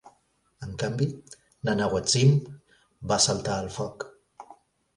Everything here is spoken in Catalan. En canvi, Nanahuatzin va saltar al foc.